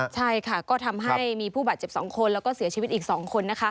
ใช่ค่ะก็ทำให้มีผู้บาดเจ็บ๒คนแล้วก็เสียชีวิตอีก๒คน